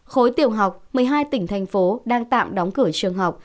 khối tiểu học một mươi hai tỉnh thành phố đang tạm đóng cửa trường học